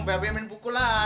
babe main bukul aja